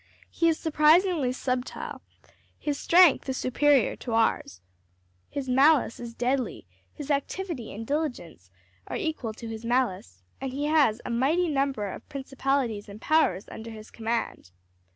'He is surprisingly subtile; his strength is superior to ours, his malice is deadly; his activity and diligence are equal to his malice; and he has a mighty number of principalities and powers under his command!'"